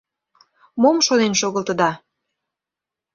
Мом шонен шогылтыда.